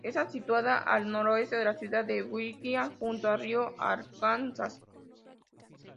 Está situada al noroeste de la ciudad de Wichita, junto al río Arkansas.